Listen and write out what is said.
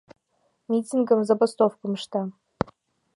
Митингым, забастовкым ышта.